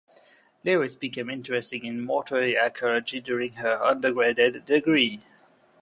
Lewis became interested in mortuary archaeology during her undergraduate degree.